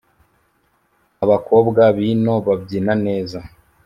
abakobwa bi no babyina neza”.